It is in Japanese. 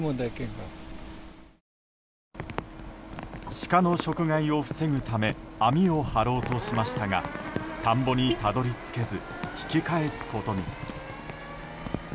シカの食害を防ぐため網を張ろうとしましたが田んぼにたどり着けず引き返すことに。